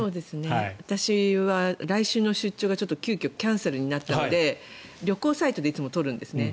私は来週の出張が急きょキャンセルになったので旅行サイトでいつも取るんですね。